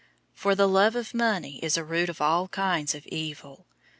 006:010 For the love of money is a root of all kinds of evil.